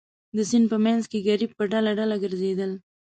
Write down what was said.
د سیند په منځ کې ګرېب په ډله ډله ګرځېدل.